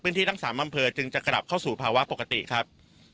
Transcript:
พื้นที่ทั้งสามอำเภอจึงจะกลับเข้าสู่ภาวะปกติครับ